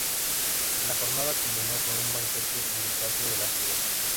La jornada culminó con un banquete en el teatro de la ciudad.